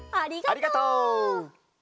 ありがとう！